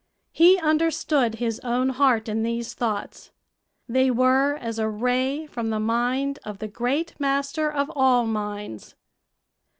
He understood his own heart in these thoughts; they were as a ray from the mind of the Great Master of all minds.